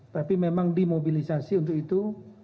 tapi memang dimobilisasi untuk itu